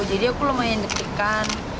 jadi aku lumayan detikkan